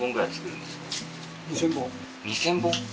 ２，０００本。